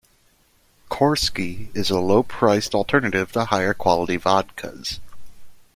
Korski is a low priced alternative to higher quality vodkas.